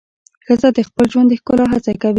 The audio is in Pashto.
ښځه د خپل ژوند د ښکلا هڅه کوي.